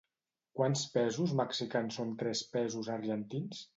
Quants pesos mexicans són tres pesos argentins?